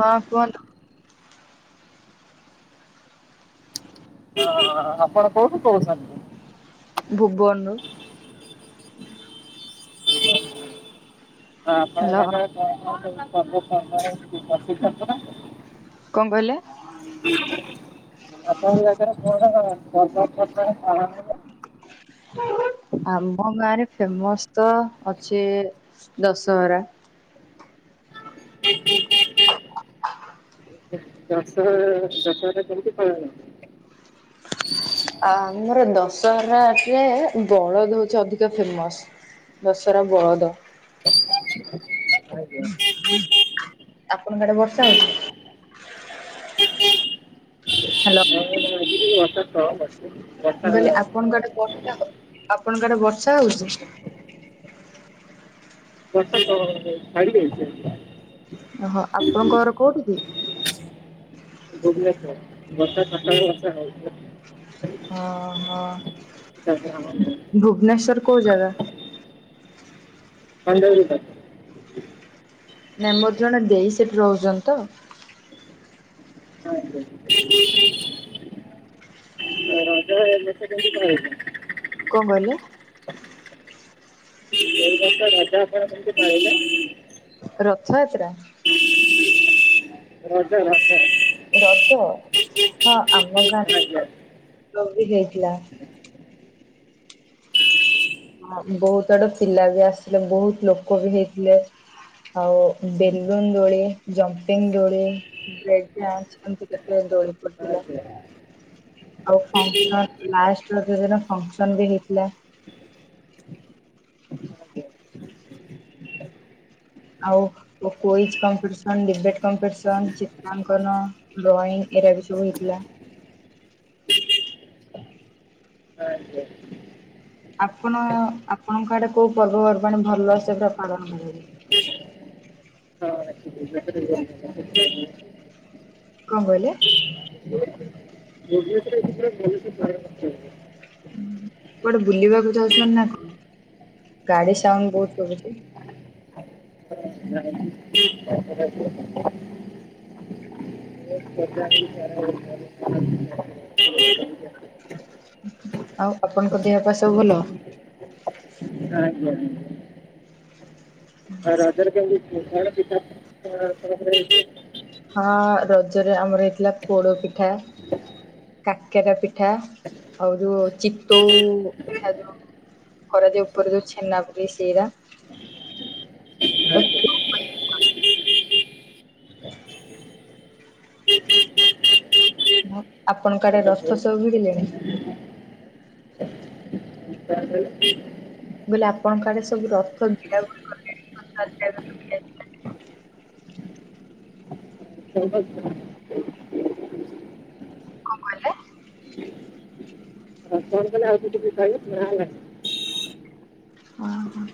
ହଁ କୁହନ୍ତୁ। ଓ ଆପଣ କୋଉଠୁ କହୁଛନ୍ତି? ଭୁବନରୁ। ହ ଆପଣଙ୍କ ହ୍ୟାଲୋ। ଜାଗାରେ କଣ କଣ ପର୍ବପର୍ବାଣି ପ୍ରସିଦ୍ଧ ପରା। କଣ କହିଲେ? ଆପଣଙ୍କ ଜାଗାରେ କଣ ପର୍ବପର୍ବାଣି ପାଳନ ହୁଏ? ଆମ ଗାଁରେ ଫେମସ ତ ଅଛି ଦଶହରା। [inaudible] ଦଶହ ଦଶହରା କେମିତି ପାଳନ ହୁଏ? ଆମର ଦଶହରା ରେ ବଳଦ ହୋଉଛି ଅଧିକା ଫେମସ। ଦଶହରା ବଳଦ। ଆଜ୍ଞା ଆପଣଙ୍କ ଆଡ଼େ ବର୍ଷା ହଉଛି? [inaudible] ି। [inaudible] ହ୍ୟାଲୋ। [inaudible] ବର୍ଷା କମ୍ ଅଛି। ବର୍ଷା ମୁ କହିଲି ଆପଣଙ୍କ ଆଡ଼େ ବର୍ଷା ଆପଣଙ୍କ ଆଡେ ବର୍ଷା ହଉଛି? ବର୍ଷା ତ ଛାଡ଼ି ଯାଇଛି ଏନିକା। ଓହୋ। ଆପଣଙ୍କ ଘର କୋଉଠି କି? [unintelligible] ବର୍ଷା ସକାଳୁ ବର୍ଷା ହୋଉଥିଲା। ଓଁ ହଁ। ତାପରେ ଆମ ଭୁବନେଶ୍ଵର କୋଉ ଜାଗା? ବାଣୀବିହାର ଯୋଉଟା। ନାଇଁ ମୋର ଜଣେ ଦେଇ ସେଠି ରହୁଛନ୍ତି ତ। ଆଜ୍ଞା। [unintelligible] କଣ କହିଲେ? [inaudible] ଜାଗା ଉପରେ କେମିତି ପାଇଲେ? ରଥଯାତ୍ରା। ରଜ ରଜ। ରଜ ହଁ ଆମ ଆଜ୍ଞା ଆଜ୍ଞା ଗାଁରେ ଆଜ୍ଞା [inaudible] ହେଇଥିଲା। ବହୁତ ଆଡୁ ପିଲା ବି ଆସିଥିଲେ ବହୁତ ଲୋକ ବି ହେଇଥିଲେ। ଆଉ ବେଲୁନ ଦୋଳି, ଜମ୍ପିଙ୍ଗ ଦୋଳି। ବ୍ରେକ ଡାନ୍ସ ଏମିତି କେତେ ଦୋଳି ପଡିଥିଲା। ଆଉ ଫଙ୍କସନ ଲାଷ୍ଟ ରଜ ଦିନ ଫଙ୍କସନ ବି ହେଇଥିଲା। ଆଉ କୁଇଜ୍ କମ୍ପିଟିସନ୍, ଡିବେଟ୍ କମ୍ପିଟିସନ୍, ଚିତ୍ରାଙ୍କନ। ଡ୍ରଇଂ ଏଇରା ବି ସବୁ ହେଇଥିଲା। ନାଇଁ ଯୋଉ। ଆପଣ ଆପଣଙ୍କ ଆଡେ କୋଉ ପର୍ବପର୍ବାଣି ଭଲ ସେ ପୁରା ପାଳନ ହୁଏ? ହଁ [inaudible] କଣ କହିଲେ? ପ୍ରିଭିଅସରେ ଏଠି ପୁରା ଭଲରେ ପଡ଼େ। କୁଆଡେ ବୁଲିବାକୁ ଯାଉଛନ୍ତି ନା କଣ? ଗାଡ଼ି ସାଉଣ୍ଡ ବହୁତ ଶୁଭୁଛି। [unintelligible] [unintelligible] ଆଉ ଆପଣଙ୍କ ଦେହ ପା ସବୁ ଭଲ? ଆଜ୍ଞା। ଆଉ ରଜରେ କେମିତି କଣ ସବୁ ପିଠା ସବୁ ଦେଇଥିଲା ତମର? ହଁ ରଜରେ ଆମର ହେଇଥିଲା ପୋଡ଼ ପିଠା କାକେରା ପିଠା, ଆଉ ଯୋଉ ଚିତଉ ପିଠା ଯୋଉ କରାଯାଏ ଉପରେ ଯୋଉ ଛେନା ପକେଇକି ସେଇରା ଆଜ୍ଞା ହଁ ଆପଣଙ୍କ ଆଡ଼େ ରଥ ସବୁ ଭିଡ଼ିଲେଣି? ହ [unintelligible] ମୁଁ କହିଲି ଆପଣଙ୍କ ଆଡ଼େ ସବୁ ରଥ ଭିଡ଼ା ଭିଡ଼ି କଣ କହିଲେ? ମୁଁ କହିଲି ଆଉ ଟିକେ ପରେ ଖାଇବି ନହେଲେ ନାହିଁ। ଓହୋ।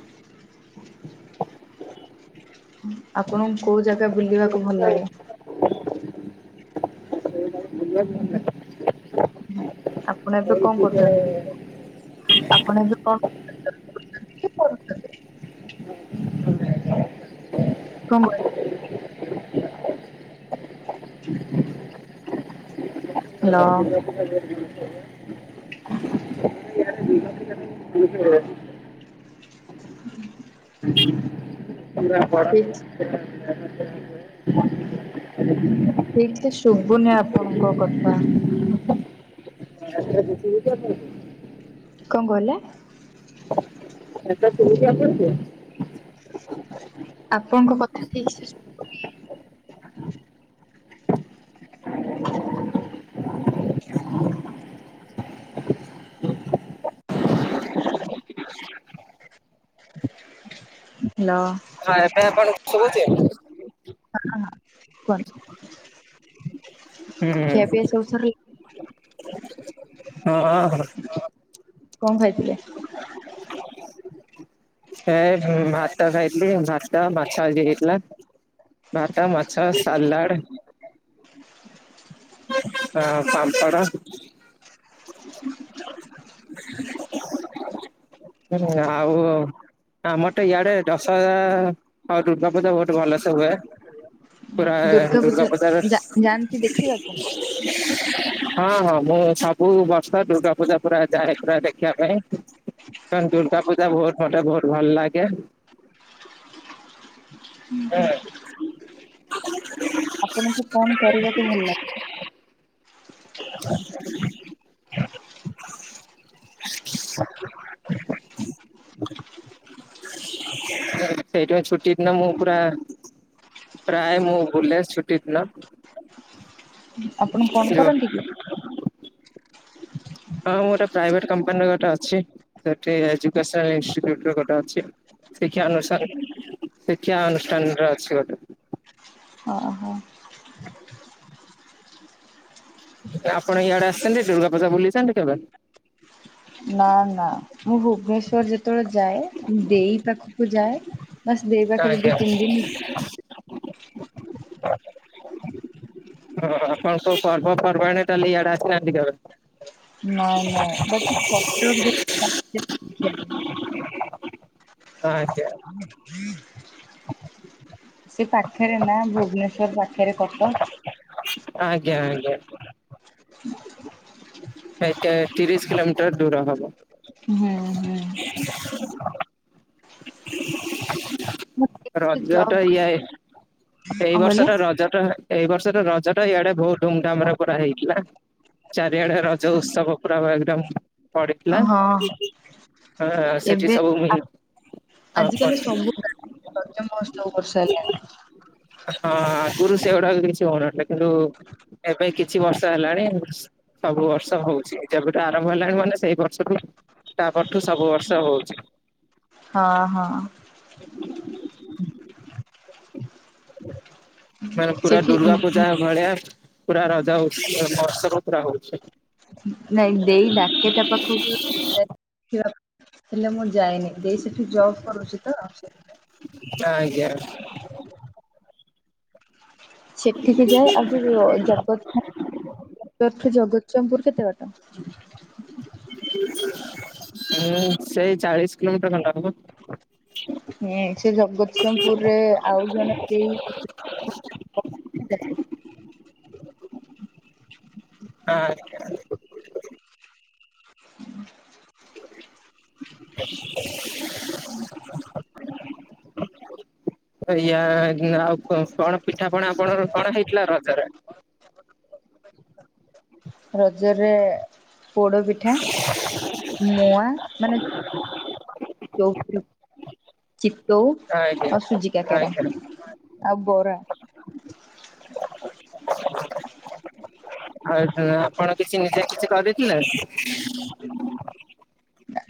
ଆପଣଙ୍କୁ କୋଉ ଜାଗା ବୁଲିବାକୁ ଭଲ ଲାଗେ? ହେଲାନି? ସେ ବଲ [unintelligible] ଆପଣ ଏବେ କଣ କରୁଛନ୍ତି ଆପଣ ଏବେ କଣ କି [unintelligible] କଣ କହିଲେ? ହାଲୋ। [inaudible] [unintelligible] ଏଇଠି। [unintelligible] ଠିକ ସେ ଶୁଭୁନି ଆପଣଙ୍କ କଥା। [unintelligible] କଣ କହିଲେ? ଜଳଖିଆ କରିଛ? ଆପଣଙ୍କ କଥା ଠିକସେ ହ୍ୟାଲୋ। ହଁ, ଏବେ ଆପଣଙ୍କୁ ଶୁଭୁଛି? ହଁ, ହଁ କୁହନ୍ତୁ ହୁଁ ଖିଆପିଆ ସବୁ ସରିଲ ହଁ, ହଁ, ହଁ। କଣ ଖାଇଥିଲେ? ଏ ଭାତ ଖାଇଥିଲି ଭାତ ମାଛ ଆଜି ହେଇଥିଲା। ଭାତ ମାଛ, ସାଲାଡ଼। ହଁ, ପାମ୍ପଡ଼। ହୁଁ, ଆଉ। ଆମର ତ ଇଆଡ଼େ ଦଶହରା ଆଉ ଦୁର୍ଗାପୂଜା ବହୁତ ଭଲସେ ହୁଏ। ପୁରା ଦୁର୍ଗା ପୂଜା ପୂଜାରେ ଯା ହଁ, ଯାଆନ୍ତି ଦେଖିବାକୁ? ହଁ, ମୁଁ ସବୁ ବର୍ଷ ଦୁର୍ଗା ପୂଜା ପୁରା ଯାଏ ପୁରା ଦେଖିବା ପାଇଁ। ଦୁର୍ଗା ପୂଜା ବହୁତ ମୋତେ ବହୁତ ଭଲ ଲାଗେ। ଏଇ। ଆପଣଙ୍କୁ କଣ କରିବାକୁ ଭଲ ଲା [unintelligible] ସେଇଥିପାଇଁ ଛୁଟି ଦିନ ମୁଁ ପୁରା ପ୍ରାୟ ମୁଁ ବୁଲେ ଛୁଟି ଦିନ। ଆପଣ କଣ ଯୋଉ କରନ୍ତି କି? ହଁ ମୁଁ ଗୋଟେ ପ୍ରାଇଭେଟ୍ କମ୍ପାନୀରେ ଗୋଟେ ଅଛି ସେଠି ଏଜୁକେସନ୍ ଇନଷ୍ଟିଚ୍ୟୁଟରେ ଗୋଟେ ଅଛି। ଶିକ୍ଷା ଅନୁଷ୍ଠାନ ଶିକ୍ଷା ଅନୁଷ୍ଠାନରେ ଅଛି ଗୋଟେ। ଓ ହୋ। ଆପଣ ଇଆଡେ ଆସିଛନ୍ତି ଦୁର୍ଗା ବୁଲିଛନ୍ତି କେବେ? ନାଁ ନାଁ ମୁଁ ଭୁବନେଶ୍ଵର ଯେତେବେଳେ ଯାଏ ମୁଁ ଦେଇ ପାଖକୁ ଯାଏ। ବାସ୍ ଦେଇ ପାଖରେ ଦି ତିନ ଦିନ [unintelligible] ହଁ ଆପଣ କଉ ପର୍ବପର୍ବାଣି ତାହେଲେ ଇଆଡେ ଆସିନାହାଁନ୍ତି କେବେ? ନାଁ ନାଁ ବାକି କଟକରେ [unintelligible] ଦେଖିବାକୁ ମିଳେ। ହଁ ଆଜ୍ଞା। ସେଇ ପାଖରେ ମ ଭୁବନେଶ୍ବର ପାଖରେ କଟକ। ଆଜ୍ଞା ଆଜ୍ଞା। ଏଇଠୁ ତିରିଶ କିଲୋମିଟର ଦୂର ହବ। ହୁଁ ହୁଁ। [unintelligible] ମୁଁ ଏଇଠି ରଜ ଟା ଜବ୍ କଣ ଇଆଡେ ଏଇ କହିଲେ ବର୍ଷଟା ରଜ ଟା ଏଇ ବର୍ଷର ରଜ ଟା ଇଆଡେ ବହୁତ ଧୁମଧାମରେ କରା ହେଇଥିଲା। ଚାରିଆଡେ ରଜ ଉତ୍ସବ ପୁରା ଏକଦମ୍ ପଡିଥିଲା ହଁ ହଁ ସେଠି ଏବେ ସବୁ ଆ- ମି ଆଜିକାଲି ସବୁ ଗାଁ ରେ ରଜ ମହୋତ୍ସବ କରିସାରିଲେଣି। ହଁ ଆଗରୁ ସେଗୁଡାକ କିଛି ହଉନଥିଲା କିନ୍ତୁ ଏବେ କିଛି ବର୍ଷ ହେଲାଣି ସବୁ ବର୍ଷ ହଉଛି ଯେବେଠୁ ଆରମ୍ଭ ହେଲାଣି ମାନେ ସେଇ ବର୍ଷଠୁ ତା ପରଠୁ ସବୁ ବର୍ଷ ହଉଛି। ହଁ ହଁ। ମାନେ ପୁରା ସେଠି ଉଁ, ଦୁର୍ଗା ପୂଜା ଉଁ, ଭଳିଆ ପୁରା ରଜ ମହୋତ୍ସବ ପୁରା ହଉଛି। ନାଇଁ ଦେଇ ଡାକେ ତା ପାଖକୁ [unintelligible] ହେଲେ ହେଲେ ମୁଁ ଯାଏନି ଦେଇ ସେଠି ଜବ୍ କରୁଛି ତ। ଆଜ୍ଞା। ସେଠିକି ଯାଏ ଆଉ ଯୋଉ ଜ ଜଗତସିଂହପୁର କଟକଠୁ ଜଗତସିଂହପୁର କେତେ ବାଟ? ହୁଁ ସେଇ ଚାଳିଶ କିଲୋମିଟର ଖଣ୍ଡେ ହବ। ହୁଁ ସେ ଜଗତସିଂହପୁରରେ ଆଉ ଜଣେ ଦେଇ ଆଁ ଆଁ ହୁଁ। [unintelligible] ଇଏ ଆଉ କଣ ସ କଣ ପିଠାପଣା ଆପଣଙ୍କର କଣ ହେଇଥିଲା ରଜରେ? ରଜରେ ପୋଡ଼ ପିଠା। ମୂଆଁ ମାନେ [unintelligible] ଯୋଉଥିରେ ଚିତଉ ଆଜ୍ଞା ଆଉ ସୁଜିକାକେରା ଆଜ୍ଞା ଆଉ ବରା। ଆଉ ଆପଣ କିଛି ନିଜେ କିଛି କରିଥିଲେ।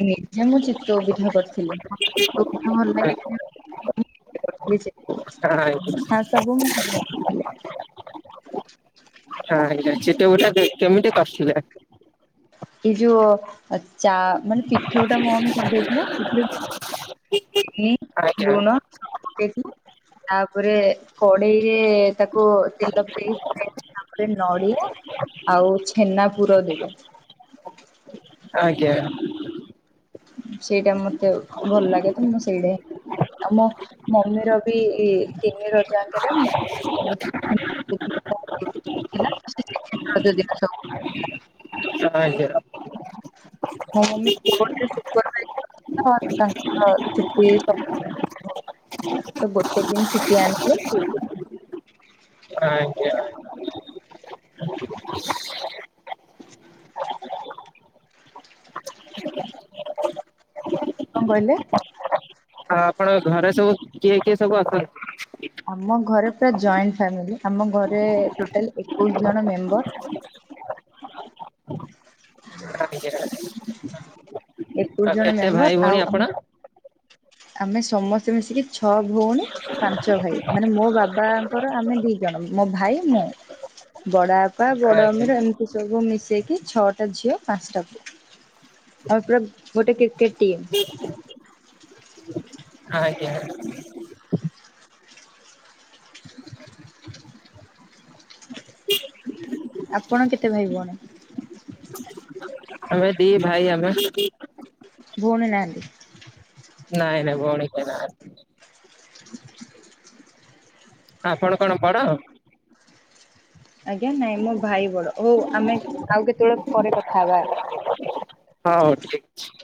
ନିଜେ ମୁଁ ଚିତୋଉ ପିଠା କରିଥିଲି ମୋତେ ଚିତୋଉପିଠା ଭଲ ଲାଗେ ଖାଇବାକୁ। ଆଜ୍ଞା ଆଉ ସବୁ ମୋ ମମି। ଆଛା ଚିତୋଉ ପିଠା କେମିତି କରିଥିଲା? ଏଇ ଯୋଉ ଚା ମାନେ ପିଠଉ ଠା ଟା ମମି କରିଦେଇଥିଲା ସେଥିରେ ଚିନି ଆଜ୍ଞା ଲୁଣ ପକେଇଥିଲି ତାପରେ କଡେଇରେ। ତାକୁ ତେଲ ପକେଇ ତାପରେ ନଡ଼ିଆ ଆଉ ଛେନା ପୁର ଦେବେ। ଆଜ୍ଞା। ସେଇଟା ମତେ ଭଲ ଲାଗେ ତ ମୁଁ ସେଇଟା ଆମ ମମିର ବି ତିନି ରଜାଙ୍କରେ [unintelligible] ଆଜ୍ଞା। [unintelligible] [unintelligible] ଛୁଟି। ତ ଗୋଟେ ଦିନ ଛୁଟି ଆଣିଥିଲେ ଆଜ୍ଞା। କଣ କହିଲେ। ହଁ ଆପଣ ଘରେ ସବୁ କିଏ କିଏ ସବୁ ଆଛନ୍ତି? ଆମ ଘରେ ପୁରା ଜଏଣ୍ଟ ଫାମିଲି ଆମ ଘରେ ଟୋଟାଲ ଏକୋଇଶି ଜଣ ମେମ୍ବର। [unintelligible] ଏତିକି ଆଉ ଜଣ କେତେ ଭାଇ ମେମ୍ବର ଭଉଣୀ ଆଉ ଆପଣ? ଆମେ ସମସ୍ତେ ମିଶିକି ଛଅ ଭଉଣୀ ପାଞ୍ଚ ଭାଇ ମାନେ ମୋ ବାବାଙ୍କର ଆମେ ଦି ଜଣ ମୋ ଭାଇ ମୁଁ। ବଡବାପା ବଡ ଆଜ୍ଞା ଅମିର ଏମିତି ସବୁ ମିଶେଇକି ଛଅଟା ଝିଅ ପାଞ୍ଚଟା ପୁଅ। ଆମ ପୁରା ଗୋଟେ କ୍ରିକେଟ୍ ଟିମ୍। ଆଜ୍ଞା। ଆପଣ କେତେ ଭାଇ ଭଉଣୀ? ଆମେ ଦି ଭାଇ ଆମେ। ଭୁଉଣି ନାହାନ୍ତି। ନାଇଁ ନାଇଁ ଭଉଣୀ କେହି ନାହାନ୍ତି। ଆପଣ କଣ ବଡ? ଆଜ୍ଞା ନାଇଁ ମୋ ଭାଇ ବଡ ଓ ଆମେ ଆଉ କେତେବେଳେ ପରେ କଥା ହବା। ହଁ ହଉ ଠିକ୍ ଅଛି।